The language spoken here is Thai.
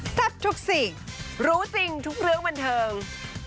ทุกสิ่งรู้จริงทุกเรื่องบันเทิง